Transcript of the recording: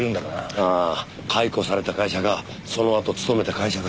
ああ解雇された会社かそのあと勤めた会社か。